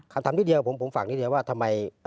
คำถามนิดเดียวผมฝากนิดเดียวว่าทำไม